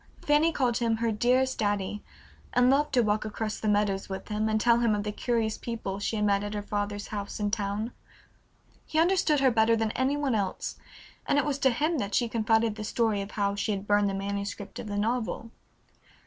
Fanny called him "her dearest daddy," and loved to walk across the meadows with him, and tell him of the curious people she had met at her father's house in town. He understood her better than any one else, and it was to him that she confided the story of how she had burned the manuscript of her novel.